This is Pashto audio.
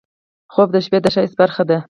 خوب د شپه د ښایست برخه ده